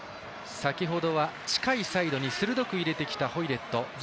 先ほどは近いサイドに鋭く入れてきたホイレット。